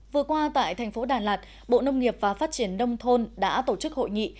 vừa qua tại thành phố đà lạt bộ nông nghiệp và phát triển đông thôn đã tổ chức hội nghị